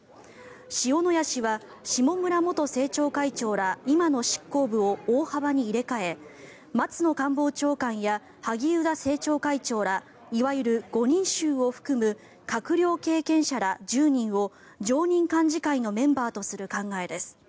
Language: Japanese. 塩谷氏は下村元政調会長ら今の執行部を大幅に入れ替え松野官房長官や萩生田政調会長らいわゆる５人衆を含む閣僚経験者ら１０人を常任幹事会のメンバーとする考えです。